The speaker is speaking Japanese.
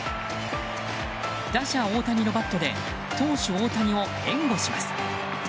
打者・大谷のバットで投手・大谷を援護します。